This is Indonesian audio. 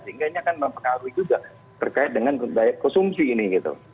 sehingga ini akan mempengaruhi juga terkait dengan daya konsumsi ini gitu